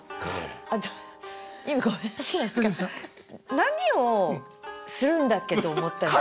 何をするんだっけと思ったんです。